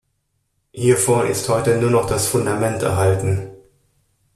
Hiervon ist heute nur noch das Fundament erhalten.